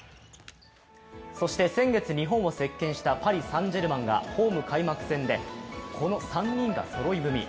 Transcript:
そして先月、日本を席けんしたパリ・サン＝ジェルマンがホーム開幕戦でこの３人がそろい踏み。